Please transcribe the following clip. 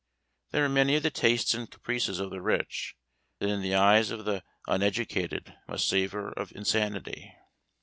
There are many of the tastes and caprices of the rich, that in the eyes of the uneducated must savor of insanity.